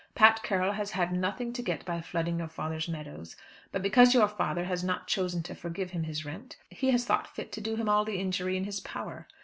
Pat Carroll has had nothing to get by flooding your father's meadows. But because your father has not chosen to forgive him his rent, he has thought fit to do him all the injury in his power.